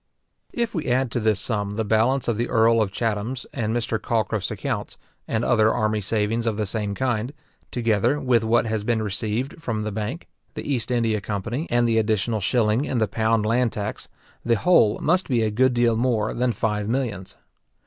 £1,455,949: 18: 9 If we add to this sum the balance of the earl of Chatham's and Mr. Calcraft's accounts, and other army savings of the same kind, together with what has been received from the bank, the East India company, and the additional shilling in the pound land tax, the whole must be a good deal more than five millions.